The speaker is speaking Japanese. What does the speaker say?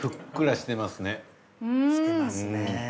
してますね。